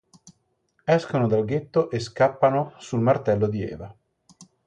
Escono dal ghetto e scappano sul Martello di Eva.